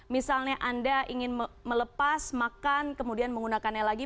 misalnya anda ingin melepas makan kemudian menggunakannya lagi